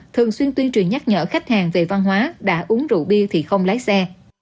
thường xuyên tuyên truyền nhắc nhở khách hàng về văn hóa đã uống rượu bia thì không lái xe